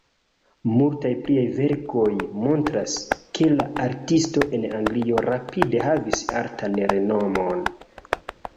Multaj pliaj verkoj montras, ke la artisto en Anglio rapide havis altan renomon.